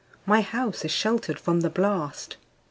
My house is sheltered from the blast.